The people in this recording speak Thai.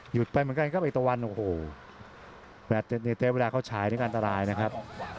หยุดไปเหมือนกันครับเนียเตสเวลาเขาฉายนี่การตลายนะครับ